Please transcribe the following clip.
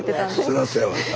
そらそうやわな。